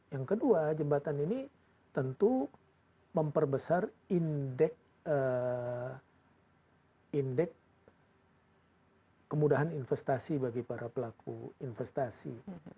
yang kedua jembatan ini tentu memperbesar indeks indeks kemudahan investasi bagi para pelaku investasi